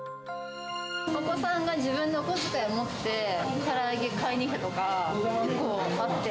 お子さんが自分のお小遣いを持って、から揚げ買いに来たりとかが結構あって。